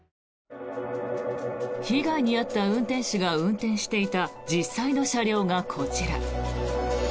被害に遭った運転手が運転していた実際の車両がこちら。